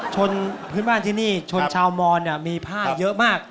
ชนพื้นบ้านที่นี่ชนชาวมอนมีผ้าเยอะมาก